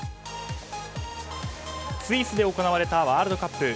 スイスで行われたワールドカップ。